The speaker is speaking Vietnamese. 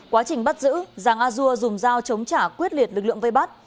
quá trình bắt giữ giàng a dua dùng dao chống trả quyết liệt lực lượng vây bắt